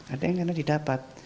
ada yang karena didapat